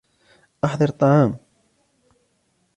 أحضر الطعام.